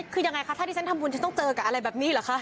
คือยังไงคะถ้าที่ฉันทำบุญฉันต้องเจอกับอะไรแบบนี้เหรอคะ